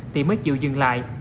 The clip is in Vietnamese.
thì mới chịu dừng lại